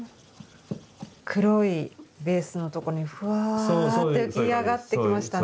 黒いベースの所にふわって浮き上がってきましたね。